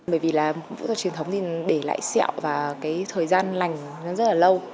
bởi vì là vũ trường truyền thống thì để lại sẹo và cái thời gian lành rất là lâu